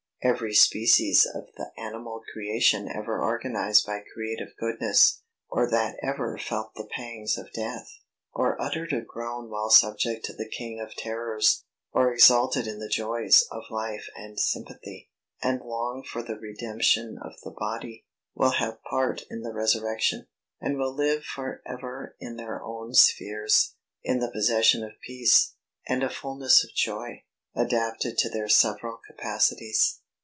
Every species of the animal creation ever organized by creative goodness, or that ever felt the pangs of death, or uttered a groan while subject to the king of terrors, or exulted in the joys of life and sympathy, and longed for the redemption of the body, will have part in the resurrection, and will live for ever in their own spheres, in the possession of peace, and a fulness of joy, adapted to their several capacities.